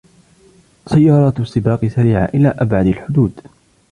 سيارات السباق سريعة إلى أبعد الحدود.